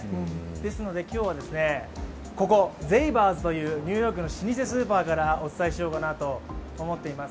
ですので今日は、ここゼイバーズというニューヨークの老舗スーパーからお伝えしようかなと思います